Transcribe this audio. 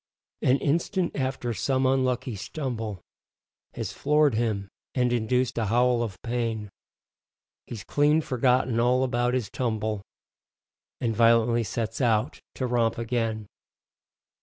An instant after some unlucky stumble Has floored him and induced a howl of pain, He's clean forgotten all about his tumble And violently sets out to romp again.